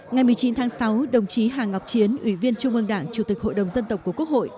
ngày một mươi chín tháng sáu đồng chí hà ngọc chiến ủy viên trung ương đảng chủ tịch hội đồng dân tộc của quốc hội